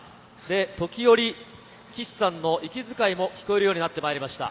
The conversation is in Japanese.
時折、岸さんの息遣いも聞こえるようになってました。